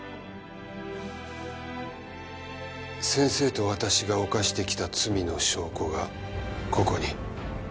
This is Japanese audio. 先生と私が犯してきた罪の証拠がここに。